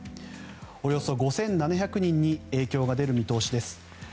およそ５７００人に影響が出る見通しです。